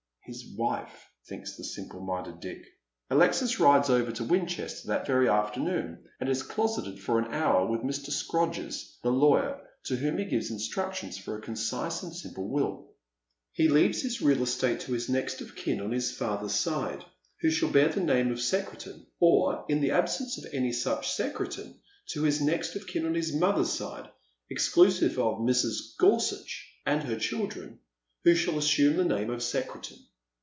" His wife," thinks the simple minded Dick. Alexis rides over to Winchester that very afternoon, and is closeted for an hour with Mr. Scrodgers, the lawyer, to whom he gives instructions for a concise and simple will. He leaves his real estate to his next of kin on his father's side, who shall bear the name of Secretan, or, in the absence of any Buch Secretan, to his next of kin on his mother's side, exclusive of Mrs. Gorsuch and her children, who shall assume the name of Secretan.